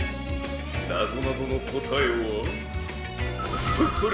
なぞなぞのこたえはプップル